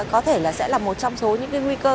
có thể là sẽ là một trong số những cái nguy cơ